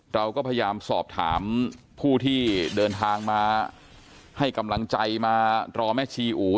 เราก็พยายามสอบถามผู้ที่เดินทางมาให้กำลังใจมารอแม่ชีอู๋